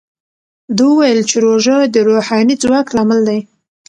ده وویل چې روژه د روحاني ځواک لامل دی.